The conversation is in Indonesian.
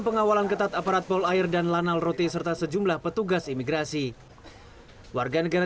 pengawalan ketat aparat pol air dan lanal rote serta sejumlah petugas imigrasi warga negara